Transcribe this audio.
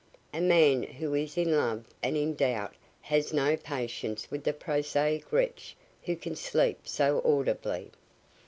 A man who is in love and in doubt has no patience with the prosaic wretch who can sleep so audibly.